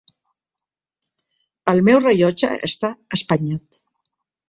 El meu rellotge està espanyat.